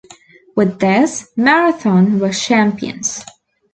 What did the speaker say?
With this, Marathon were champions.